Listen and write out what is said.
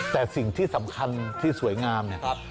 แต่สิ่งที่สำคัญที่สวยงามเนี่ย